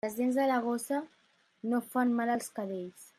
Les dents de la gossa no fan mal als cadells.